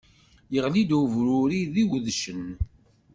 Iɣli-d ubruri d iwedcen!